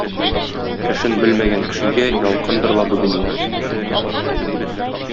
Эшен белмәгән кешегә ялкындыр ла бу дөнья.